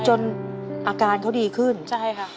จนอาการเขาดีขึ้นใช่ค่ะ